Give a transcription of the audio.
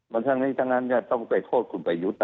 บรรทางนี้จังงั้นเนี่ยต้องไปโทษคุณประยุตรน่ะ